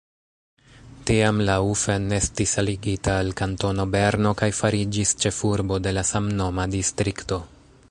Tiam Laufen estis aligita al Kantono Berno kaj fariĝis ĉefurbo de la samnoma distrikto.